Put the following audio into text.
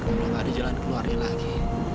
udah gak ada jalan keluarnya lagi